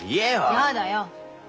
やだよ！